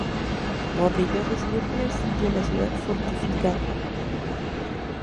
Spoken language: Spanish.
Morillo decidió poner sitio a la ciudad fortificada.